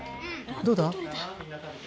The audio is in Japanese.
・どうだ？